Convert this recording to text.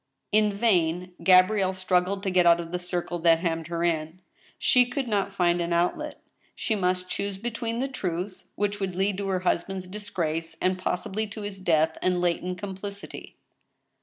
In vain Gabrielle struggled to get out of the circle that hemmed her in. She could not find an outlet. She must choose between the truth which would lead to her husband's disgrace and possibly to his death and latent complicity.